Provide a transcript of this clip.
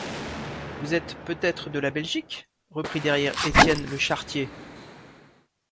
Vous êtes peut-être de la Belgique ? reprit derrière Étienne le charretier